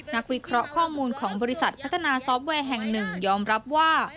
วิเคราะห์ข้อมูลของบริษัทพัฒนาซอฟต์แวร์แห่งหนึ่งยอมรับว่า